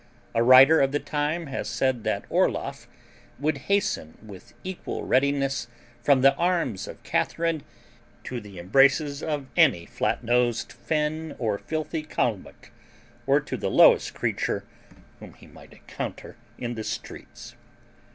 A writer of the time has said that Orloff would hasten with equal readiness from the arms of Catharine to the embraces of any flat nosed Finn or filthy Calmuck or to the lowest creature whom he might encounter in the streets.